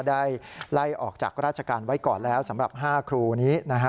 ได้ไล่ออกจากราชการไว้ก่อนแล้วสำหรับ๕ครูนี้นะฮะ